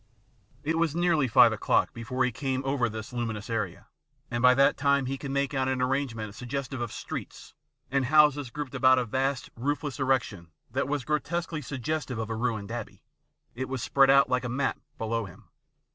It was nearly five o'clock before he came over this luminous area, and by that time he could make out an arrangement suggestive of streets and houses grouped about a vast roofless erec tion that was grotesquely suggestive of a ruined abbey. It was spread out like a map below him.